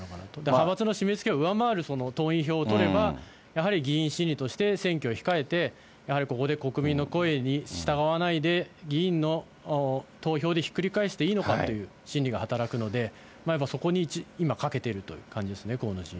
派閥の締めつけを上回る党員票を取れば、やはり議員支持として選挙を控えてやはりここで国民の声に従わないで、議員の投票でひっくり返していいのかという心理が働くので、やっぱりそこに今、かけているというような感じですね、河野陣営。